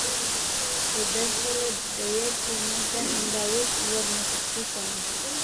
خو دى شله ديه چې نه زه همدا اوس ورنه تحقيق کوم.